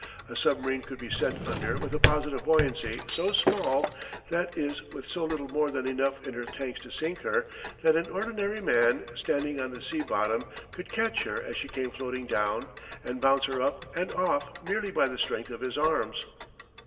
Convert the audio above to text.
A submarine could be sent under with a positive buoyancy so small that is, with so little more than enough in her tanks to sink her that an ordinary man standing on the sea bottom could catch her as she came floating down and bounce her up and off merely by the strength of his arms.